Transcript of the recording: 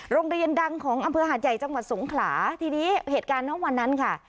โรงเรียนดังของอำเภอหาดใหญ่จังหวัดสงขลาทีนี้เหตุการณ์นะวันนั้นค่ะ